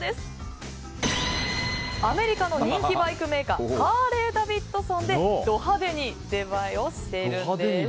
アメリカの人気バイクメーカーハーレーダビッドソンでド派手に出前をしているんです。